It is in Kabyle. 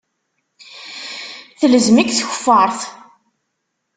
Telzem-ik tkeffart.